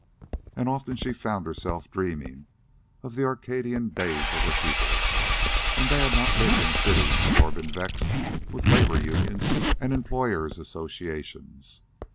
And often she found herself dreaming of the arcadian days of her people, when they had not lived in cities nor been vexed with labor unions and employers' associations.